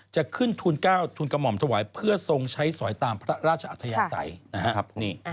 จะขึ้นทุน๙ทุนกระหม่อมถวายเพื่อทรงใช้สอยตามพระราชอัธยาศัยนะครับ